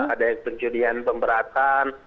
ada yang pencurian pemberatan